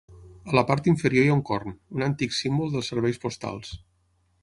A la part inferior hi ha un corn, un antic símbol dels serveis postals.